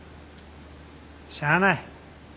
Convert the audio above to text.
しゃあない。